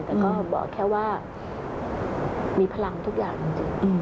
แต่ก็บอกแค่ว่ามีพลังทุกอย่างอยู่ด้วย